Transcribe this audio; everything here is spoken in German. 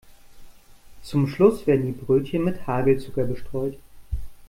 Zum Schluss werden die Brötchen mit Hagelzucker bestreut.